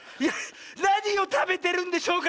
「なにをたべてるんでしょうか」